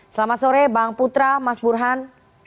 selamat sore bang putra mas burhan